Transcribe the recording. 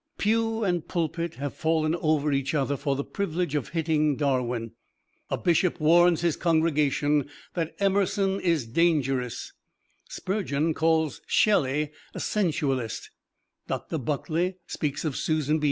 Pew and pulpit have fallen over each other for the privilege of hitting Darwin; a Bishop warns his congregation that Emerson is "dangerous"; Spurgeon calls Shelley a sensualist; Doctor Buckley speaks of Susan B.